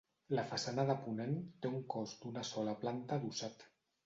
La façana de ponent té un cos d’una sola planta adossat.